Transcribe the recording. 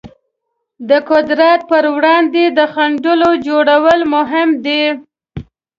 د قدرت پر وړاندې د خنډونو جوړول مهم دي.